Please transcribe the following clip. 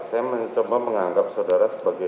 saya mencoba menganggap saudara sebagai